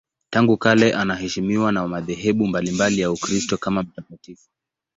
Tangu kale anaheshimiwa na madhehebu mbalimbali ya Ukristo kama mtakatifu.